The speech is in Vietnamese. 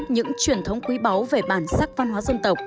những truyền thống quý báu về bản sắc văn hóa